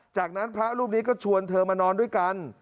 จากนั้นพระรูปนี้ก็ชวนเธอมานอนด้วยกัน